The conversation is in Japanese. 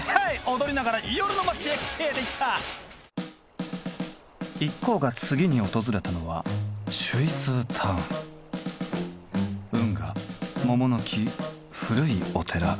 踊りながら夜の街へ消えていった一行が次に訪れたのは運河桃の木古いお寺。